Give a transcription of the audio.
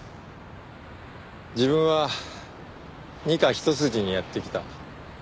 自分は二課ひと筋にやってきた。